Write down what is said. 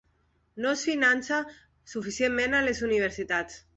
No es finança suficientment a les universitats